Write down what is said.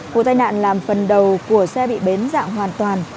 vụ tay lạn làm phần đầu của xe bị bến dạng hoàn toàn